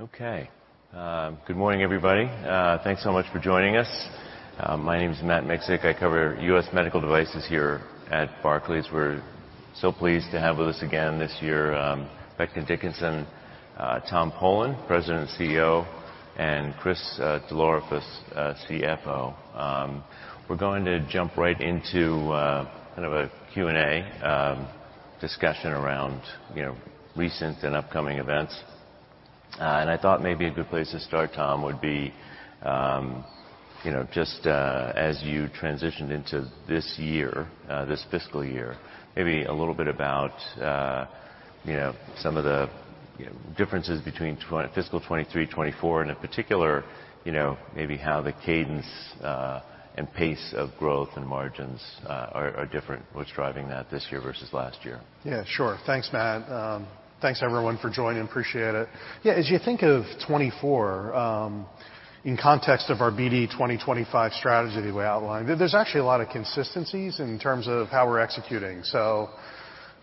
Okay. Good morning, everybody. Thanks so much for joining us. My name is Matt Miksic, I cover U.S. Medical Devices here at Barclays. We're so pleased to have with us again this year, Becton Dickinson, Tom Polen, President and CEO, and Chris DelOrefice, CFO. We're going to jump right into kind of a Q&A discussion around, you know, recent and upcoming events. I thought maybe a good place to start, Tom, would be, you know, just, as you transitioned into this year, this fiscal year, maybe a little bit about, you know, some of the differences between fiscal 2023, 2024, and in particular, you know, maybe how the cadence and pace of growth and margins are different. What's driving that this year versus last year? Yeah, sure. Thanks, Matt. Thanks, everyone, for joining. Appreciate it. Yeah, as you think of 2024, in context of our BD 2025 strategy we outlined, there's actually a lot of consistencies in terms of how we're executing. So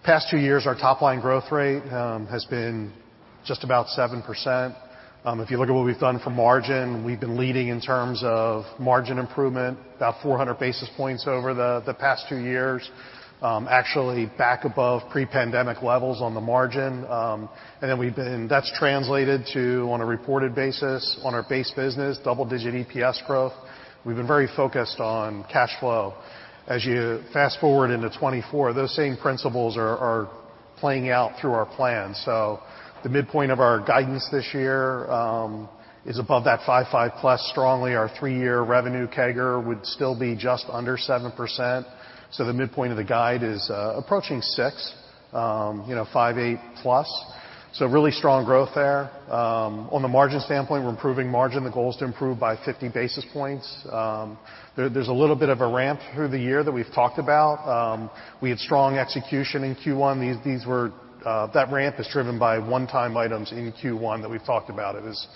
past two years, our top line growth rate has been just about 7%. If you look at what we've done for margin, we've been leading in terms of margin improvement, about 400 basis points over the past two years. Actually back above pre-pandemic levels on the margin. And then we've been. That's translated to, on a reported basis, on our base business, double-digit EPS growth. We've been very focused on cash flow. As you fast forward into 2024, those same principles are playing out through our plan. So the midpoint of our guidance this year is above that 5.5+, strongly. Our three-year revenue CAGR would still be just under 7%. So the midpoint of the guide is approaching 6, you know, 5.8+. So really strong growth there. On the margin standpoint, we're improving margin. The goal is to improve by 50 basis points. There's a little bit of a ramp through the year that we've talked about. We had strong execution in Q1. That ramp is driven by one-time items in Q1 that we've talked about. It is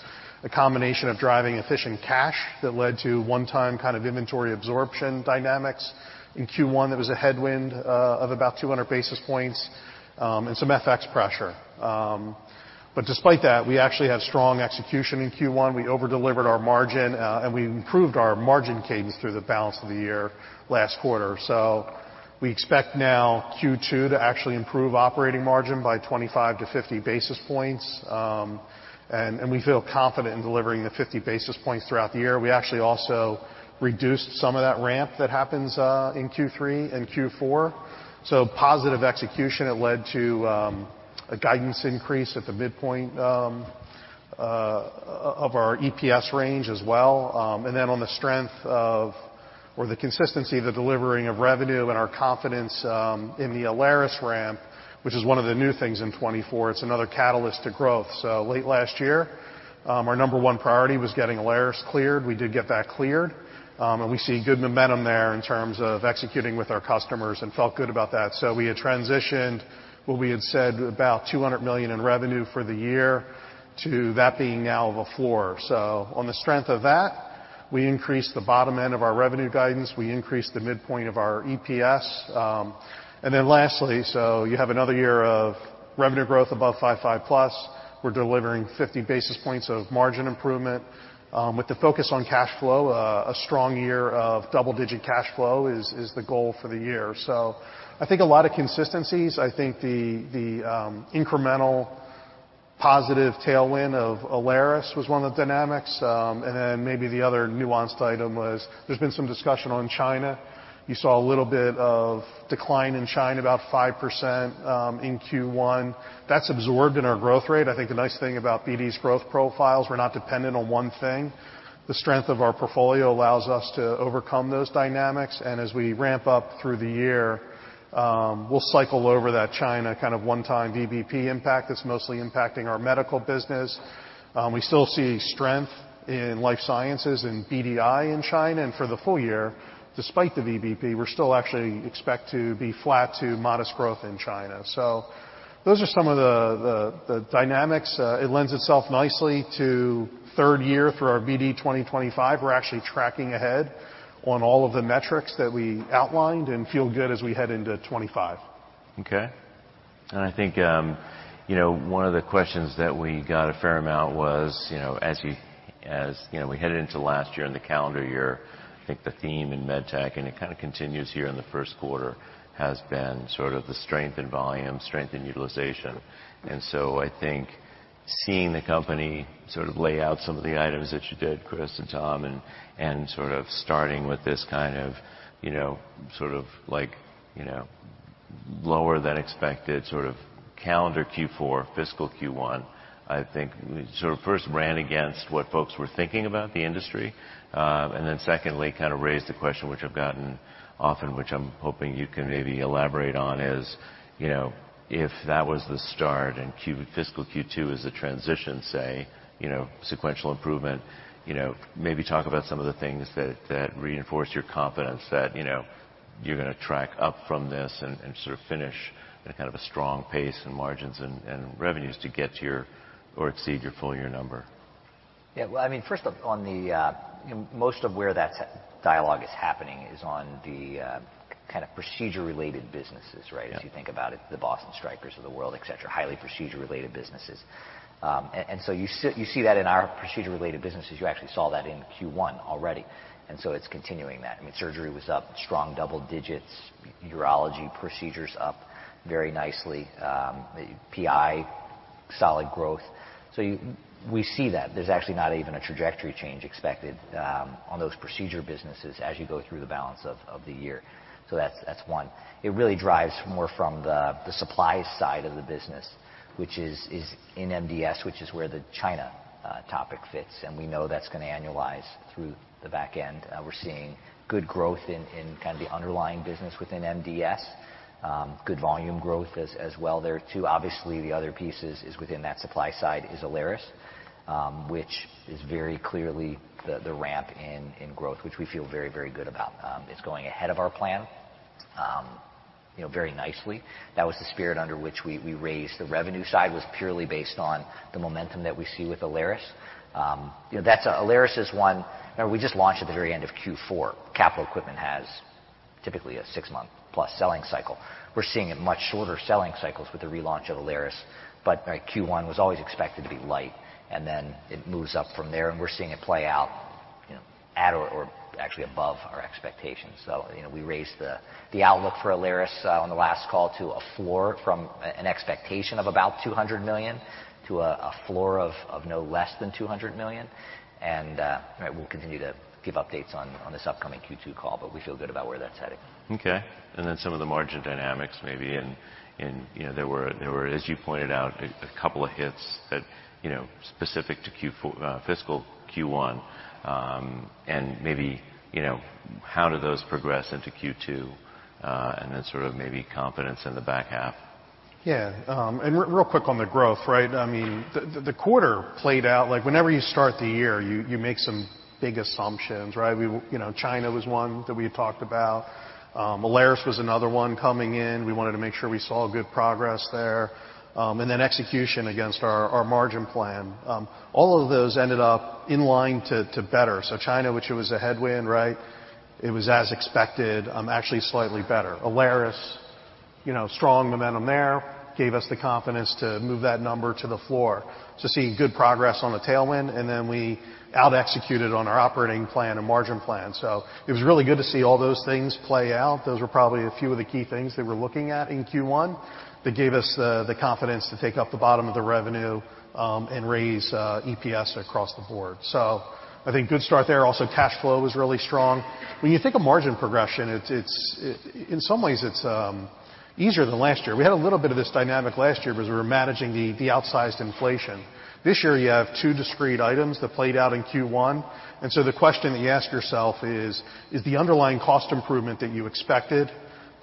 a combination of driving efficient cash that led to one-time kind of inventory absorption dynamics. In Q1, there was a headwind of about 200 basis points, and some FX pressure. But despite that, we actually had strong execution in Q1. We over-delivered our margin, and we improved our margin cadence through the balance of the year, last quarter. So we expect now Q2 to actually improve operating margin by 25-50 basis points, and we feel confident in delivering the 50 basis points throughout the year. We actually also reduced some of that ramp that happens in Q3 and Q4. So positive execution. It led to a guidance increase at the midpoint of our EPS range as well. And then on the strength of, or the consistency of the delivering of revenue and our confidence in the Alaris ramp, which is one of the new things in 2024, it's another catalyst to growth. So late last year, our number one priority was getting Alaris cleared. We did get that cleared, and we see good momentum there in terms of executing with our customers and felt good about that. So we had transitioned what we had said, about $200 million in revenue for the year, to that being now of a floor. So on the strength of that, we increased the bottom end of our revenue guidance, we increased the midpoint of our EPS. And then lastly, so you have another year of revenue growth above 5-5 plus. We're delivering 50 basis points of margin improvement. With the focus on cash flow, a strong year of double-digit cash flow is the goal for the year. So I think a lot of consistencies. I think the, the, incremental positive tailwind of Alaris was one of the dynamics. And then maybe the other nuanced item was, there's been some discussion on China. You saw a little bit of decline in China, about 5%, in Q1. That's absorbed in our growth rate. I think the nice thing about BD's growth profiles, we're not dependent on one thing. The strength of our portfolio allows us to overcome those dynamics, and as we ramp up through the year, we'll cycle over that China kind of one-time VBP impact that's mostly impacting our medical business. We still see strength inLife Sciences and BDI in China, and for the full year, despite the VBP, we're still actually expect to be flat to modest growth in China. So those are some of the dynamics. It lends itself nicely to third year through our BD 2025. We're actually tracking ahead on all of the metrics that we outlined and feel good as we head into 2025. Okay. I think, you know, one of the questions that we got a fair amount was, you know, as you know, we headed into last year and the calendar year, I think the theme in med tech, and it kind of continues here in the first quarter, has been sort of the strength in volume, strength in utilization. So I think seeing the company sort of lay out some of the items that you did, Chris and Tom, and sort of starting with this kind of, you know, sort of like, you know, lower than expected, sort of calendar Q4, fiscal Q1, I think sort of first ran against what folks were thinking about the industry. And then secondly, kind of raised the question, which I've gotten often, which I'm hoping you can maybe elaborate on, is, you know, if that was the start and fiscal Q2 is the transition, say, you know, sequential improvement, you know, maybe talk about some of the things that reinforce your confidence that, you know, you're gonna track up from this and sort of finish at kind of a strong pace in margins and revenues to get to your or exceed your full year number.... Yeah, well, I mean, first off, on the most of where that dialogue is happening is on the kind of procedure-related businesses, right? Yeah. As you think about it, the Boston, Strykers of the world, et cetera, highly procedure-related businesses. And so you see, you see that in our procedure-related businesses. You actually saw that in Q1 already, and so it's continuing that. I mean, surgery was up, strong double digits, urology procedures up very nicely, the PI, solid growth. So you, we see that. There's actually not even a trajectory change expected, on those procedure businesses as you go through the balance of the year. So that's, that's one. It really drives more from the supply side of the business, which is in MDS, which is where the China topic fits, and we know that's gonna annualize through the back end. We're seeing good growth in kind of the underlying business within MDS, good volume growth as well there, too. Obviously, the other pieces is within that supply side is Alaris, which is very clearly the ramp in growth, which we feel very, very good about. It's going ahead of our plan, you know, very nicely. That was the spirit under which we raised the revenue side, was purely based on the momentum that we see with Alaris. You know, Alaris is one... Remember, we just launched at the very end of Q4. Capital equipment has typically a 6-month+ selling cycle. We're seeing a much shorter selling cycles with the relaunch of Alaris, but Q1 was always expected to be light, and then it moves up from there, and we're seeing it play out, you know, at or actually above our expectations. So, you know, we raised the outlook for Alaris on the last call to a floor from an expectation of about $200 million to a floor of no less than $200 million. And we'll continue to give updates on this upcoming Q2 call, but we feel good about where that's heading. Okay, and then some of the margin dynamics maybe in, you know, there were, as you pointed out, a couple of hits that, you know, specific to Q4 fiscal Q1, and maybe, you know, how do those progress into Q2, and then sort of maybe confidence in the back half? Yeah, and real quick on the growth, right? I mean, the quarter played out, like, whenever you start the year, you make some big assumptions, right? We, you know, China was one that we had talked about. Alaris was another one coming in. We wanted to make sure we saw good progress there, and then execution against our margin plan. All of those ended up in line to better. So China, which it was a headwind, right, it was as expected, actually slightly better. Alaris, you know, strong momentum there, gave us the confidence to move that number to the floor, to see good progress on the tailwind, and then we outexecuted on our operating plan and margin plan. So it was really good to see all those things play out. Those were probably a few of the key things that we're looking at in Q1 that gave us the confidence to take up the bottom of the revenue, and raise EPS across the board. So I think good start there. Also, cash flow was really strong. When you think of margin progression, it's in some ways, it's easier than last year. We had a little bit of this dynamic last year because we were managing the outsized inflation. This year, you have two discrete items that played out in Q1, and so the question that you ask yourself is the underlying cost improvement that you expected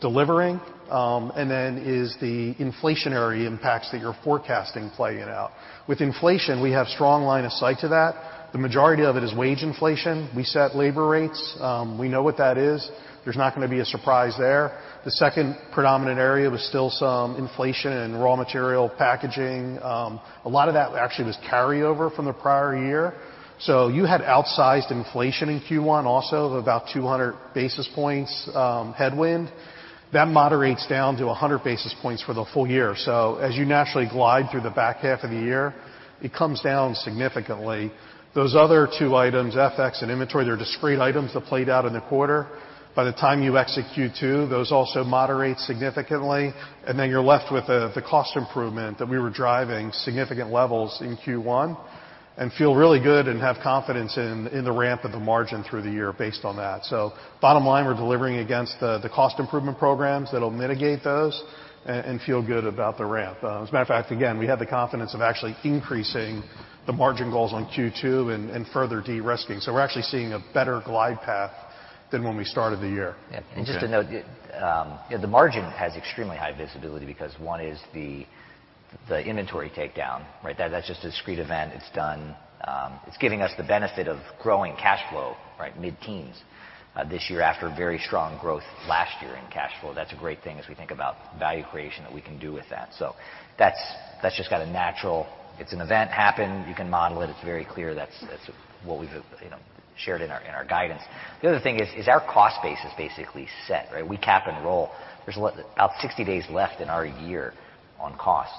delivering? And then is the inflationary impacts that you're forecasting playing out? With inflation, we have strong line of sight to that. The majority of it is wage inflation. We set labor rates. We know what that is. There's not gonna be a surprise there. The second predominant area was still some inflation in raw material packaging. A lot of that actually was carryover from the prior year. So you had outsized inflation in Q1, also of about 200 basis points headwind. That moderates down to 100 basis points for the full year. So as you naturally glide through the back half of the year, it comes down significantly. Those other two items, FX and inventory, they're discrete items that played out in the quarter. By the time you execute Q2, those also moderate significantly, and then you're left with the cost improvement that we were driving significant levels in Q1, and feel really good and have confidence in the ramp of the margin through the year based on that. So bottom line, we're delivering against the cost improvement programs that'll mitigate those and feel good about the ramp. As a matter of fact, again, we have the confidence of actually increasing the margin goals on Q2 and further de-risking. So we're actually seeing a better glide path than when we started the year. Yeah, and just to note, the margin has extremely high visibility because one is the, the inventory takedown, right? That's just a discrete event. It's done. It's giving us the benefit of growing cash flow, right, mid-teens, this year, after very strong growth last year in cash flow. That's a great thing as we think about value creation that we can do with that. So that's, that's just got a natural... It's an event happened. You can model it. It's very clear. That's, that's what we've, you know, shared in our, in our guidance. The other thing is our cost base is basically set, right? We cap and roll. There's what, about 60 days left in our year on costs.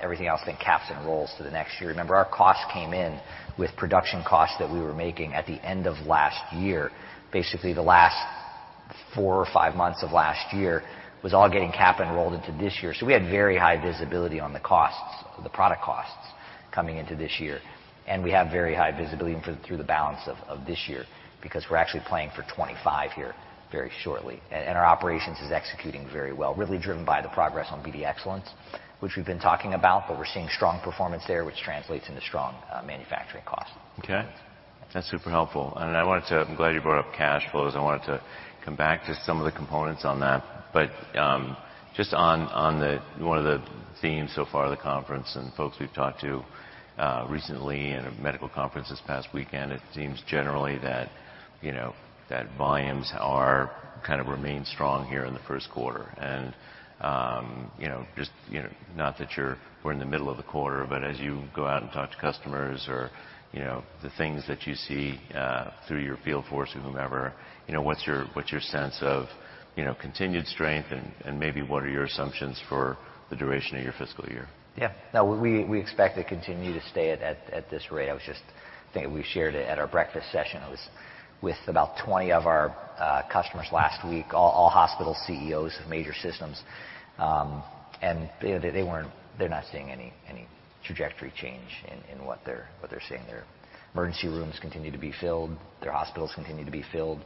Everything else then caps and rolls to the next year. Remember, our costs came in with production costs that we were making at the end of last year. Basically, the last four or five months of last year was all getting cap and rolled into this year. So we had very high visibility on the costs, the product costs, coming into this year, and we have very high visibility even through the balance of this year because we're actually planning for 25 here very shortly. And our operations is executing very well, really driven by the progress on BD Excellence, which we've been talking about, but we're seeing strong performance there, which translates into strong manufacturing costs. Okay... That's super helpful. And I wanted to—I'm glad you brought up cash flows. I wanted to come back to some of the components on that. But just on one of the themes so far, the conference and folks we've talked to recently at a Medical conference this past weekend, it seems generally that, you know, that volumes are kind of remain strong here in the first quarter. And you know, just you know, not that you're, we're in the middle of the quarter, but as you go out and talk to customers or, you know, the things that you see through your field force or whomever, you know, what's your sense of, you know, continued strength and maybe what are your assumptions for the duration of your fiscal year? Yeah. No, we expect to continue to stay at this rate. I was just thinking, we shared it at our breakfast session. I was with about 20 of our customers last week, all hospital CEOs of major systems, and they weren't—they're not seeing any trajectory change in what they're seeing. Their emergency rooms continue to be filled, their hospitals continue to be filled,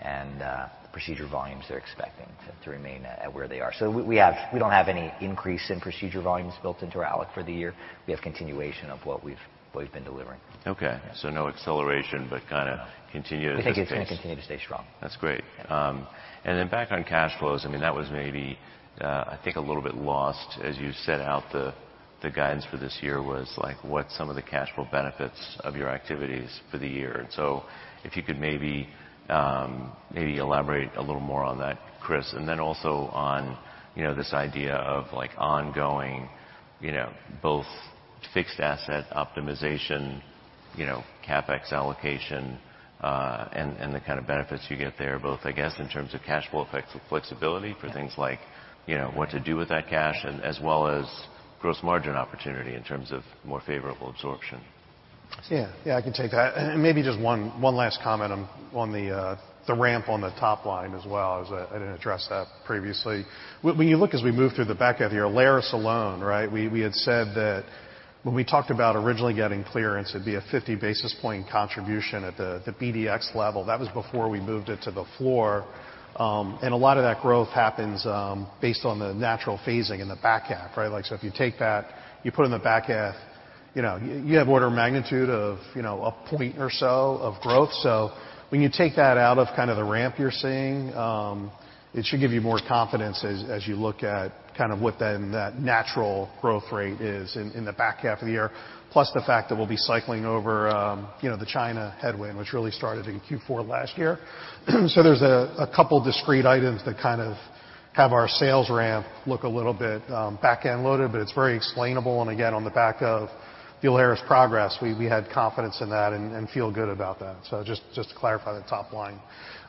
and procedure volumes, they're expecting to remain at where they are. So we don't have any increase in procedure volumes built into our alloc for the year. We have continuation of what we've been delivering. Okay, so no acceleration, but kinda continue to- We think it's gonna continue to stay strong. That's great. And then back on cash flows, I mean, that was maybe, I think, a little bit lost as you set out the, the guidance for this year, was like, what some of the cash flow benefits of your activities for the year. So if you could maybe, maybe elaborate a little more on that, Chris, and then also on, you know, this idea of, like, ongoing, you know, both fixed asset optimization, you know, CapEx allocation, and, and the kind of benefits you get there, both, I guess, in terms of cash flow effects and flexibility for things like, you know, what to do with that cash, and as well as gross margin opportunity in terms of more favorable absorption. Yeah. Yeah, I can take that. And maybe just one last comment on the ramp on the top line as well, as I didn't address that previously. When you look as we move through the back end of the year, Alaris alone, right? We had said that when we talked about originally getting clearance, it'd be a 50 basis point contribution at the BDX level. That was before we moved it to the floor. And a lot of that growth happens based on the natural phasing in the back half, right? Like, so if you take that, you put in the back half, you know, you have order of magnitude of, you know, a point or so of growth. So when you take that out of kind of the ramp you're seeing, it should give you more confidence as you look at kind of what then that natural growth rate is in the back half of the year, plus the fact that we'll be cycling over, you know, the China headwind, which really started in Q4 last year. So there's a couple of discrete items that kind of have our sales ramp look a little bit back-end loaded, but it's very explainable, and again, on the back of the Alaris progress, we had confidence in that and feel good about that. So just to clarify the top line.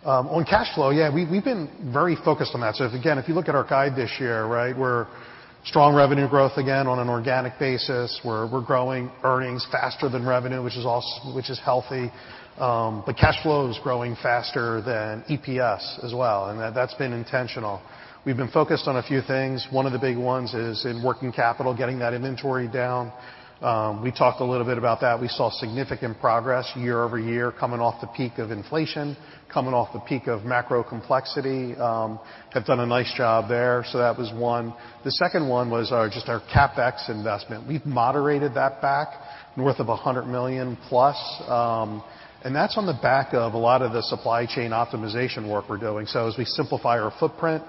On cash flow, yeah, we've been very focused on that. So again, if you look at our guide this year, right, we're strong revenue growth again on an organic basis, we're, we're growing earnings faster than revenue, which is also-- which is healthy. But cash flow is growing faster than EPS as well, and that's been intentional. We've been focused on a few things. One of the big ones is in working capital, getting that inventory down. We talked a little bit about that. We saw significant progress year-over-year, coming off the peak of inflation, coming off the peak of macro complexity, have done a nice job there, so that was one. The second one was our, just our CapEx investment. We've moderated that back north of $100 million plus, and that's on the back of a lot of the supply chain optimization work we're doing. So as we simplify our footprint,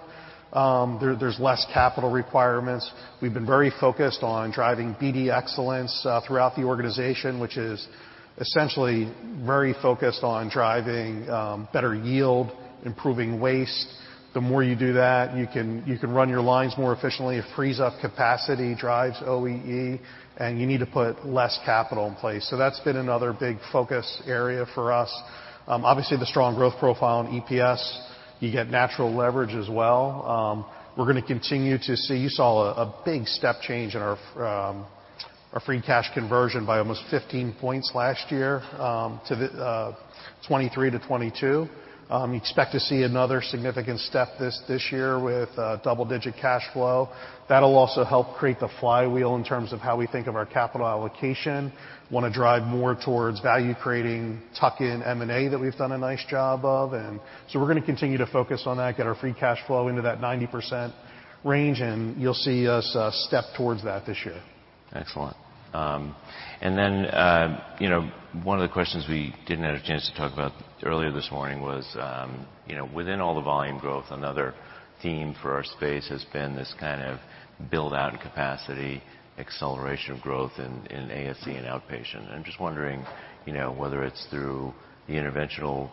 there's less capital requirements. We've been very focused on driving BD Excellence throughout the organization, which is essentially very focused on driving better yield, improving waste. The more you do that, you can run your lines more efficiently, it frees up capacity, drives OEE, and you need to put less capital in place. So that's been another big focus area for us. Obviously, the strong growth profile on EPS, you get natural leverage as well. We're gonna continue to see... You saw a big step change in our free cash conversion by almost 15 points last year to the 2023 to 2022. You expect to see another significant step this year with double-digit cash flow. That'll also help create the flywheel in terms of how we think of our capital allocation. Wanna drive more towards value creating, tuck-in M&A that we've done a nice job of, and so we're gonna continue to focus on that, get our free cash flow into that 90% range, and you'll see us step towards that this year. Excellent. And then, you know, one of the questions we didn't have a chance to talk about earlier this morning was, you know, within all the volume growth, another theme for our space has been this kind of build-out and capacity, acceleration of growth in ASC and outpatient. I'm just wondering, you know, whether it's through the interventional,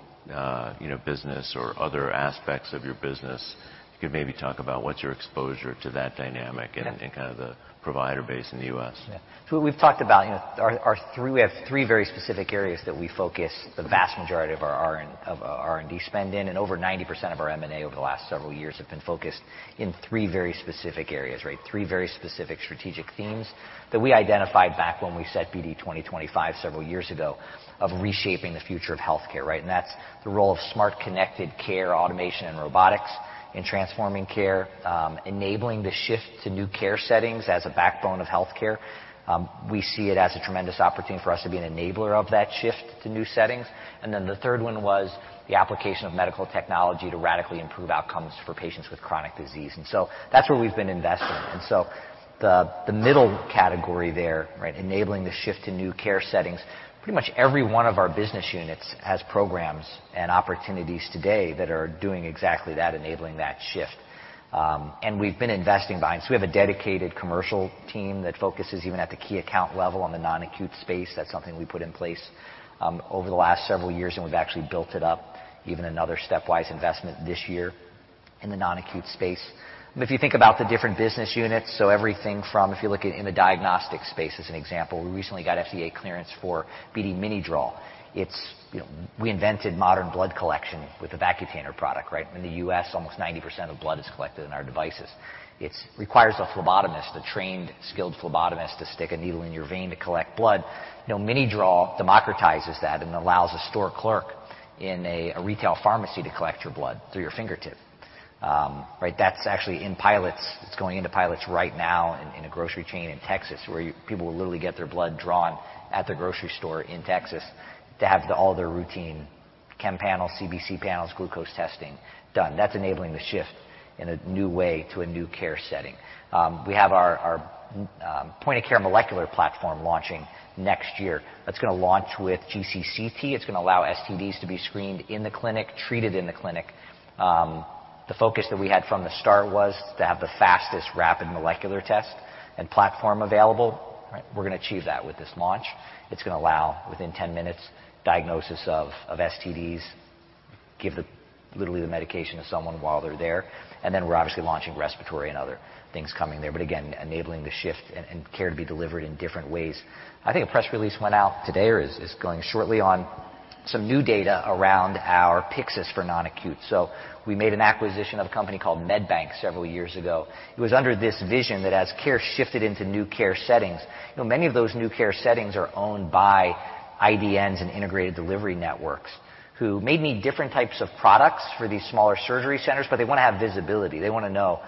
you know, business or other aspects of your business, you could maybe talk about what's your exposure to that dynamic? Yeah. and kind of the provider base in the U.S.? Yeah. So we've talked about, you know, we have three very specific areas that we focus the vast majority of our R&D spend in, and over 90% of our M&A over the last several years have been focused in three very specific areas, right? Three very specific strategic themes that we identified back when we set BD 2025, several years ago, of reshaping the future of healthcare, right? And that's the role of smart, connected care, automation, and robotics in transforming care, enabling the shift to new care settings as a backbone of healthcare. We see it as a tremendous opportunity for us to be an enabler of that shift to new settings.... And then the third one was the application of medical technology to radically improve outcomes for patients with chronic disease. And so that's where we've been investing. And so the middle category there, right, enabling the shift to new care settings, pretty much every one of our business units has programs and opportunities today that are doing exactly that, enabling that shift. And we've been investing behind. So we have a dedicated commercial team that focuses even at the key account level on the non-acute space. That's something we put in place, over the last several years, and we've actually built it up, even another stepwise investment this year in the non-acute space. But if you think about the different business units, so everything from, if you look at in the diagnostic space, as an example, we recently got FDA clearance for BD MiniDraw. It's, you know, we invented modern blood collection with the Vacutainer product, right? In the U.S., almost 90% of blood is collected in our devices. It requires a phlebotomist, a trained, skilled phlebotomist, to stick a needle in your vein to collect blood. You know, MiniDraw democratizes that and allows a store clerk in a retail pharmacy to collect your blood through your fingertip. Right, that's actually in pilots. It's going into pilots right now in a grocery chain in Texas, where people will literally get their blood drawn at the grocery store in Texas to have all their routine chem panels, CBC panels, glucose testing done. That's enabling the shift in a new way to a new care setting. We have our point-of-care molecular platform launching next year. That's gonna launch with GC/CT. It's gonna allow STDs to be screened in the clinic, treated in the clinic. The focus that we had from the start was to have the fastest, rapid molecular test and platform available, right? We're gonna achieve that with this launch. It's gonna allow, within 10 minutes, diagnosis of, of STDs, give the-- literally the medication to someone while they're there, and then we're obviously launching respiratory and other things coming there. But again, enabling the shift and, and care to be delivered in different ways. I think a press release went out today or is, is going shortly on some new data around our Pyxis for non-acute. So we made an acquisition of a company called MedBank several years ago. It was under this vision that as care shifted into new care settings, you know, many of those new care settings are owned by IDNs and integrated delivery networks, who may need different types of products for these smaller surgery centers, but they want to have visibility. They want to know,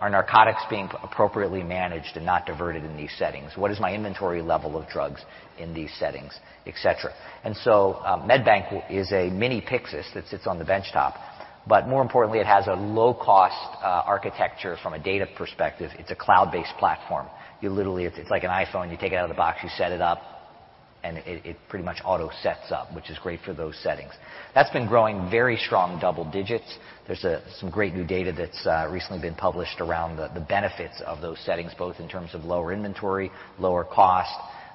"Are narcotics being appropriately managed and not diverted in these settings? What is my inventory level of drugs in these settings?" Et cetera. And so, MedBank is a mini Pyxis that sits on the benchtop, but more importantly, it has a low-cost architecture from a data perspective. It's a cloud-based platform. You literally—It's like an iPhone. You take it out of the box, you set it up, and it pretty much auto sets up, which is great for those settings. That's been growing very strong double digits. There's some great new data that's recently been published around the benefits of those settings, both in terms of lower inventory, lower cost,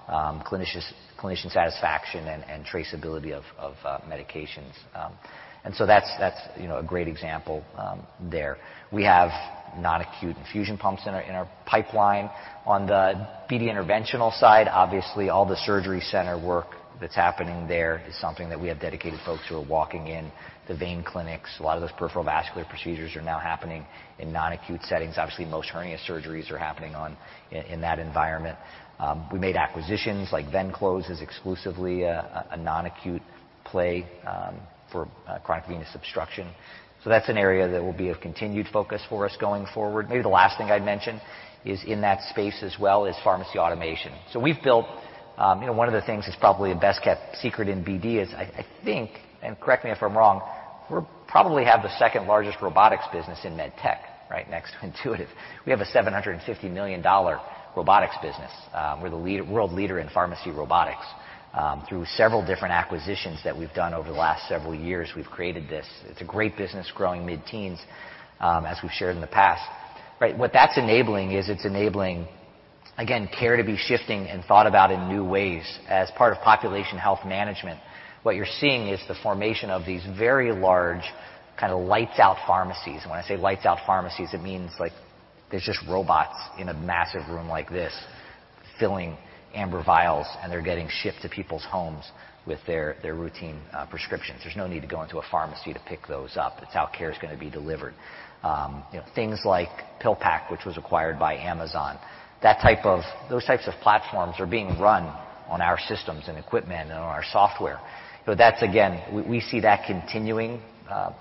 clinician satisfaction, and traceability of medications. And so that's, you know, a great example there. We have non-acute infusion pumps in our pipeline. On the BD Interventional side, obviously, all the surgery center work that's happening there is something that we have dedicated folks who are walking in the vein clinics. A lot of those peripheral vascular procedures are now happening in non-acute settings. Obviously, most hernia surgeries are happening in that environment. We made acquisitions like Venclose is exclusively a non-acute play for chronic venous obstruction. So that's an area that will be of continued focus for us going forward. Maybe the last thing I'd mention is in that space as well, is pharmacy automation. So we've built. One of the things that's probably the best-kept secret in BD is, I think, and correct me if I'm wrong, we're probably have the second-largest robotics business in med tech, right, next to Intuitive. We have a $750 million robotics business. We're the world leader in pharmacy robotics, through several different acquisitions that we've done over the last several years, we've created this. It's a great business, growing mid-teens, as we've shared in the past, right? What that's enabling is it's enabling, again, care to be shifting and thought about in new ways. As part of population health management, what you're seeing is the formation of these very large, kind of lights out pharmacies. When I say lights out pharmacies, it means, like, there's just robots in a massive room like this, filling amber vials, and they're getting shipped to people's homes with their, their routine prescriptions. There's no need to go into a pharmacy to pick those up. That's how care is gonna be delivered. Things like PillPack, which was acquired by Amazon, those types of platforms are being run on our systems and equipment and on our software. So that's again, we see that continuing,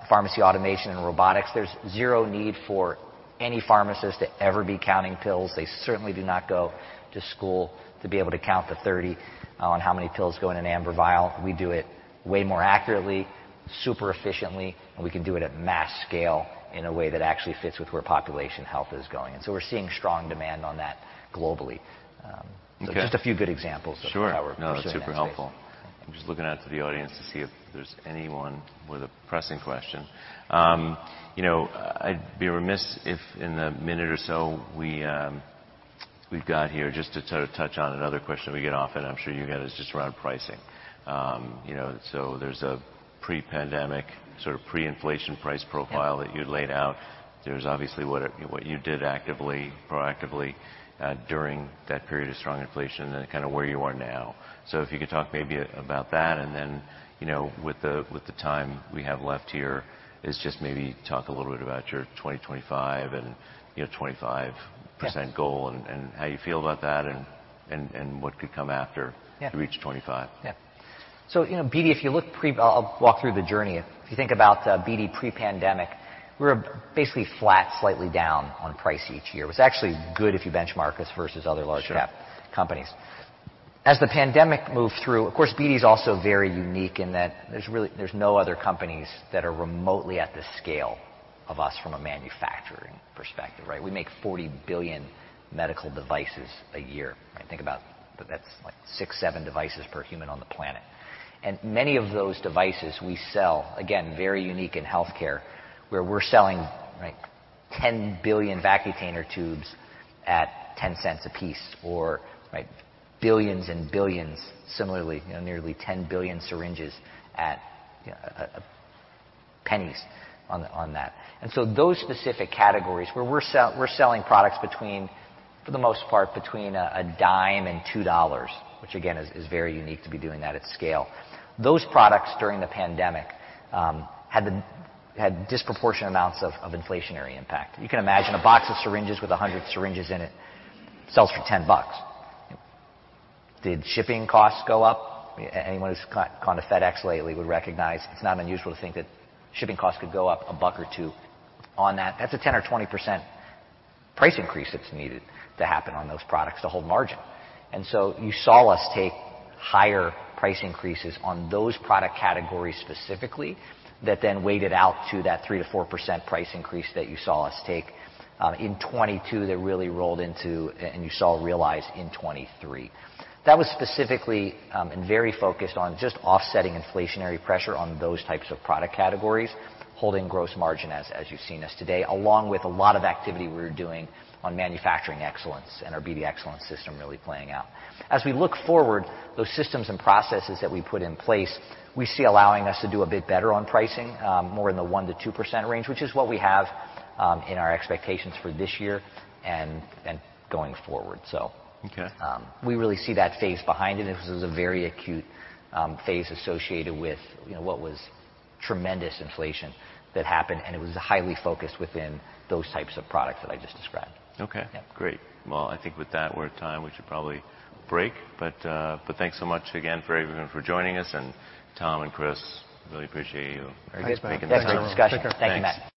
pharmacy automation and robotics. There's zero need for any pharmacist to ever be counting pills. They certainly do not go to school to be able to count to 30, on how many pills go in an amber vial. We do it way more accurately, super efficiently, and we can do it at mass scale in a way that actually fits with where population health is going. So we're seeing strong demand on that globally. Okay. Just a few good examples of how we're- Sure. No, that's super helpful. I'm just looking out to the audience to see if there's anyone with a pressing question. You know, I'd be remiss if in the minute or so we, we've got here, just to sort of touch on another question we get often, I'm sure you get, is just around pricing. You know, so there's a pre-pandemic, sort of pre-inflation price profile- Yeah. -that you'd laid out. There's obviously what you did actively, proactively, during that period of strong inflation and then kind of where you are now. So if you could talk maybe about that, and then, you know, with the, with the time we have left here, is just maybe talk a little bit about your 2025 and, you know, 25% goal- Yeah. and how you feel about that, and what could come after Yeah. You reach 25. Yeah. So, you know, BD, if you look—I'll walk through the journey. If you think about, BD pre-pandemic, we were basically flat, slightly down on price each year. It was actually good if you benchmark us versus other large- Sure -cap companies. As the pandemic moved through, of course, BD is also very unique in that there's really, there's no other companies that are remotely at the scale of us from a manufacturing perspective, right? We make 40 billion medical devices a year. I think about, that's like 6, 7 devices per human on the planet. And many of those devices we sell, again, very unique in healthcare, where we're selling, right, 10 billion Vacutainer tubes at $0.10 a piece or, right, billions and billions, similarly, you know, nearly 10 billion syringes at pennies on that. And so those specific categories where we're selling products between, for the most part, between $0.10 and $2, which again, is very unique to be doing that at scale. Those products, during the pandemic, had disproportionate amounts of inflationary impact. You can imagine a box of syringes with 100 syringes in it sells for $10. Did shipping costs go up? Anyone who's caught a FedEx lately would recognize it's not unusual to think that shipping costs could go up $1 or $2 on that. That's a 10% or 20% price increase that's needed to happen on those products to hold margin. And so you saw us take higher price increases on those product categories, specifically, that then weighted out to that 3%-4% price increase that you saw us take, in 2022, that really rolled into, and you saw realized in 2023. That was specifically and very focused on just offsetting inflationary pressure on those types of product categories, holding gross margin, as you've seen us today, along with a lot of activity we're doing on manufacturing excellence and our BD Excellence system really playing out. As we look forward, those systems and processes that we put in place, we see allowing us to do a bit better on pricing, more in the 1%-2% range, which is what we have in our expectations for this year and going forward. So- Okay. We really see that phase behind it. This is a very acute phase associated with, you know, what was tremendous inflation that happened, and it was highly focused within those types of products that I just described. Okay. Yeah. Great. Well, I think with that, we're at time. We should probably break, but but thanks so much again for everyone for joining us, and Tom and Chris, really appreciate you. Thanks, Matt. Great discussion. Thank you, Matt.